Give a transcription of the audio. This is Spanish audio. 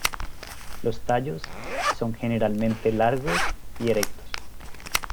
Los tallos son generalmente largos y erectos.